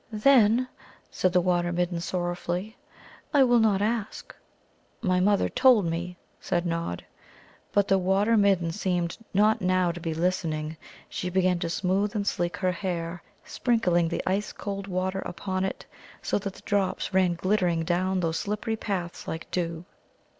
"Then," said the Water midden sorrowfully, "I will not ask." "My mother told me," said Nod. But the Water midden seemed not now to be listening. She began to smooth and sleek her hair, sprinkling the ice cold water upon it, so that the drops ran glittering down those slippery paths like dew.